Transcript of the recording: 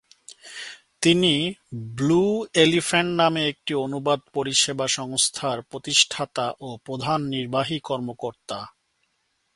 তিনি Blue Elephant নামে একটি অনুবাদ পরিষেবা সংস্থার প্রতিষ্ঠাতা ও প্রধান নির্বাহী কর্মকর্তা।